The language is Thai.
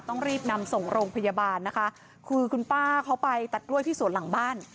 ต้องรีบนำส่งโรงพยาบาลนะคะคือคุณป้าเขาไปตัดกล้วยที่สวนหลังบ้าน